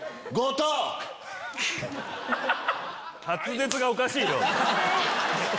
滑舌がおかしいよ！